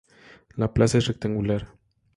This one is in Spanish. La plaza es rectangular.